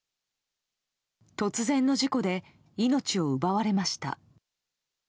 突然の事故で命を奪われました。